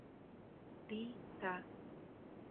Ри...та...